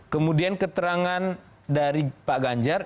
kemudian keterangan dari pak ganjar